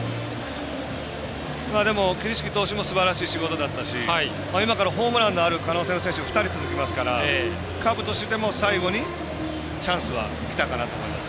でも、桐敷投手もすばらしい仕事だったし今からホームランがある可能性のある選手が２人続きますからカープとしても最後に、チャンスはきたかなと思います。